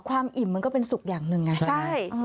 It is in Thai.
อิ่มมันก็เป็นสุขอย่างหนึ่งไงใช่